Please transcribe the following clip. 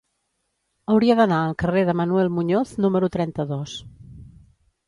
Hauria d'anar al carrer de Manuel Muñoz número trenta-dos.